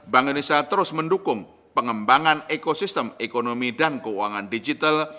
bank indonesia terus mendukung pengembangan ekosistem ekonomi dan keuangan digital